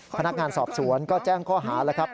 พนักงานสอบสวนก็แจ้งข้อหาแล้วครับ